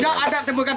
gak ada ditemukan